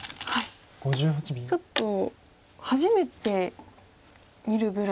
ちょっと初めて見るぐらい。